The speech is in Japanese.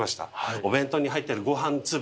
お弁当に入っているごはん粒？